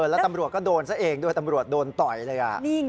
แล้วตำรวจก็โดนซะเองด้วยตำรวจโดนต่อยเลย